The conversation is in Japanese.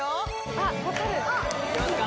あっ分かるいきますか？